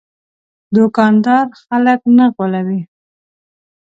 دوکاندار خلک نه غولوي.